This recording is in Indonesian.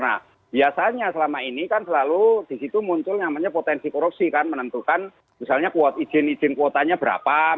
nah biasanya selama ini kan selalu disitu muncul yang namanya potensi korupsi kan menentukan misalnya izin izin kuotanya berapa